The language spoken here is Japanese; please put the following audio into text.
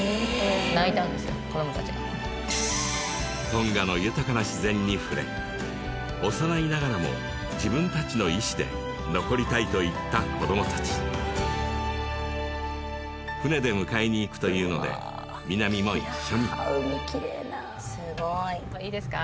トンガの豊かな自然に触れ幼いながらも自分達の意思で残りたいと言った子ども達船で迎えにいくというので南も一緒にすごいいいですか？